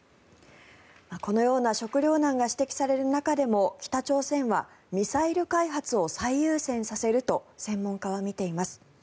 このような食料難が指摘される中でも北朝鮮はミサイル開発を最優先させると専門家は見ています。